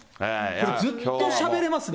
これずっとしゃべれますね。